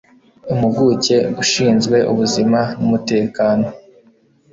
impuguke ushinzwe ubuzima n umutekano